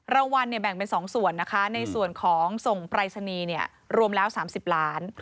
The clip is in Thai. รางวัลแบ่งเป็น๒ส่วนนะคะในส่วนของส่งปรายศนีย์รวมแล้ว๓๐ล้าน